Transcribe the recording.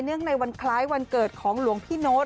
เนื่องในวันคล้ายวันเกิดของหลวงพิโนธ